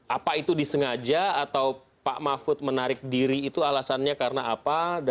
apa itu disengaja atau pak mahfud menarik diri itu alasannya karena apa